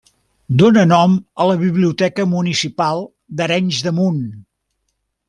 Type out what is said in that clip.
Dóna nom a la biblioteca municipal d'Arenys de Munt.